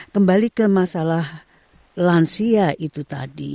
kembali ke masalah lansia itu tadi